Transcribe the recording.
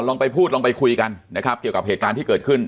ลองไปพูดลองไปคุยกันนะครับเกี่ยวกับเหตุการณ์ที่เกิดขึ้น